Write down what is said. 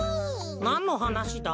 なんのはなしだ？さあ？